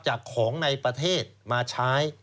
จากของในประเทศมาใช้